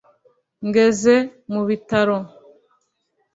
“Ngeze mu bitaro